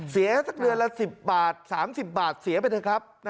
เสียสักเดือนละ๑๐บาท๓๐บาทเสียไปเถอะครับ